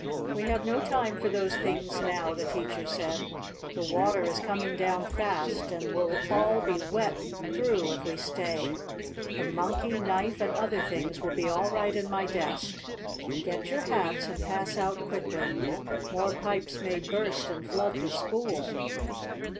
"We have no time for those things, now," the teacher said. "The water is coming down fast, and we'll all be wet through if we stay. The Monkey, knife and other things will be all right in my desk. Get your hats, and pass out quickly. More pipes may burst and flood the school.